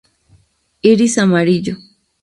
Iris amarillo.